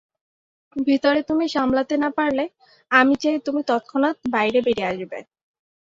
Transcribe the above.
ভেতরে তুমি সামলাতে না পারলে, আমি চাই তুমি তৎক্ষণাৎ বাইরে বেরিয়ে আসবে।